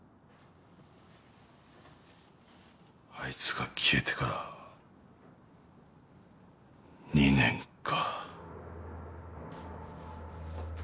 あいつが消えてから２年か。